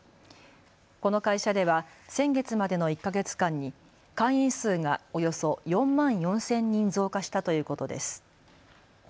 この会社では先月までの１か月間に会員数がおよそ４万４０００人増加したということです。